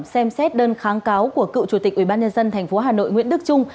xem xét đơn kháng cáo của cựu chủ tịch ubnd tp hà nội nguyễn đức trung